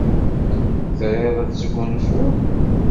Triḍ ad tesgunfuḍ?